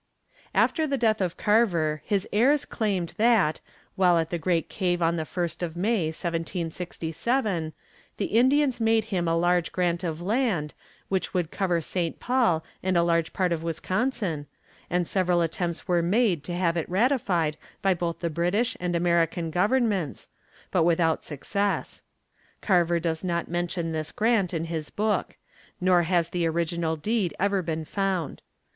After the death of Carver his heirs claimed that, while at the great cave on the 1st of May, 1767, the Indians made him a large grant of land, which would cover St. Paul and a large part of Wisconsin, and several attempts were made to have it ratified by both the British and American governments, but without success. Carver does not mention this grant in his book, nor has the original deed ever been found.